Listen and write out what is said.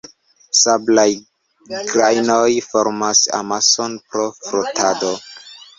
Sablaj grajnoj formas amason pro frotado.